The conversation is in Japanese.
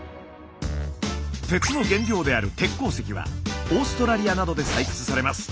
鉄の原料である鉄鉱石はオーストラリアなどで採掘されます。